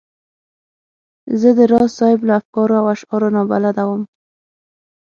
زه د راز صاحب له افکارو او اشعارو نا بلده وم.